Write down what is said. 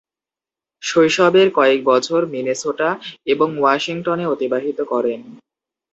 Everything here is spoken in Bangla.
শৈশবের কয়েক বছর মিনেসোটা এবং ওয়াশিংটনে অতিবাহিত করেন।